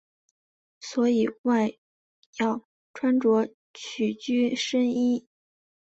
所以外要穿着曲裾深衣。